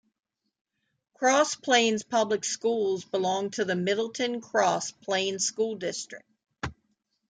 Cross Plains Public Schools belong to the Middleton-Cross Plains School District.